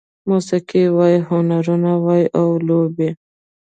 موسيقي وای، هنرونه وای او لوبې